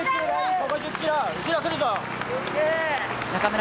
ここ１０キロ大事！